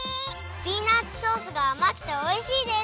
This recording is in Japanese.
ピーナツソースがあまくておいしいです！